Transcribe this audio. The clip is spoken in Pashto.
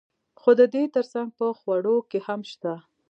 خو د دې ترڅنګ په خوړو کې هم شته.